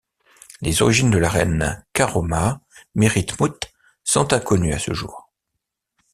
Les origines de la reine Karoma Méritmout sont inconnues à ce jour.